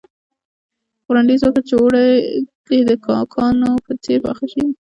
وړانديز وکړ چې اوړه دې د کاکونو په څېر پاخه شي.